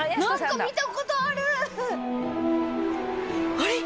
あれ？